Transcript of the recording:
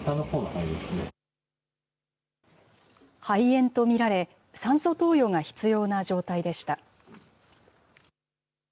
肺炎と見られ、酸素投与が必要な状態でした。